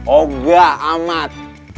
oh enggak amat